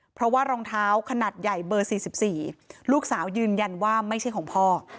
เพราะว่ารองเท้าขนาดใหญ่เบอร์๔๔ลูกสาวยืนยันว่าไม่ใช่ของพ่อ